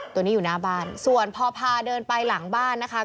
ตัวนี้อยู่หน้าบ้านส่วนพอพาเดินไปหลังบ้านนะคะ